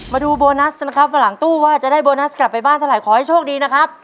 มาดูโบนัสนะครับว่าหลังตู้ว่าจะได้โบนัสกลับไปบ้านเท่าไรขอให้โชคดีนะครับ